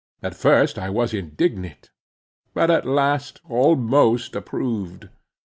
At first I was indignant; but at last almost approved.